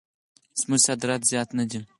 زموږ صادرات زیات نه دي.